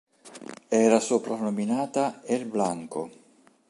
Era soprannominata "El Blanco".